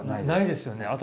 ないですよね。